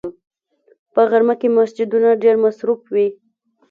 په غرمه کې مسجدونه ډېر مصروف وي